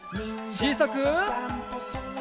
ちいさく。